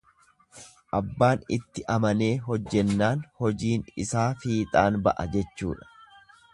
Abbaan itti amanee hojjennaan hojiin isaa fiixaan ba'a jechuudha.